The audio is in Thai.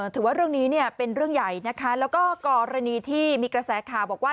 ถือว่าเรื่องนี้เนี่ยเป็นเรื่องใหญ่นะคะแล้วก็กรณีที่มีกระแสข่าวบอกว่า